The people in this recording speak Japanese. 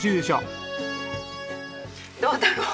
どうだろう。